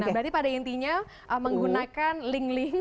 nah berarti pada intinya menggunakan link link